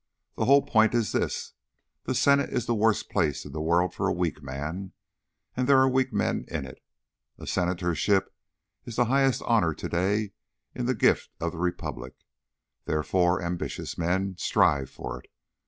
The whole point is this: the Senate is the worst place in the world for a weak man, and there are weak men in it. A Senatorship is the highest honour to day in the gift of the Republic; therefore ambitious men strive for it.